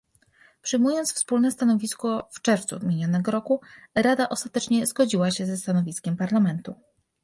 Przyjmując wspólne stanowisko w czerwcu minionego roku, Rada ostatecznie zgodziła się ze stanowiskiem Parlamentu